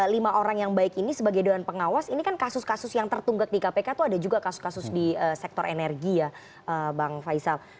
lima orang yang baik ini sebagai dewan pengawas ini kan kasus kasus yang tertunggak di kpk itu ada juga kasus kasus di sektor energi ya bang faisal